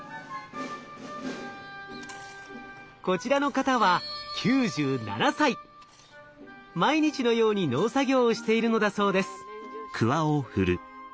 こちらの方は毎日のように農作業をしているのだそうです。